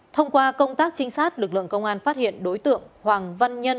thông qua công tác trinh sát lực lượng công an phát hiện đối tượng hoàng văn nhân